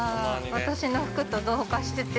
私の服と同化してて。